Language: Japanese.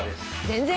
全然？